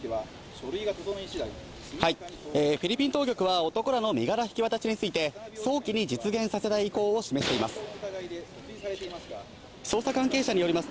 フィリピン当局は男らの身柄引き渡しについて、早期に実現させたい意向を示しています。